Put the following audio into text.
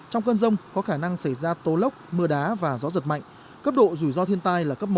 trong cơn rông có khả năng xảy ra tố lốc mưa đá và gió giật mạnh cấp độ rủi ro thiên tai là cấp một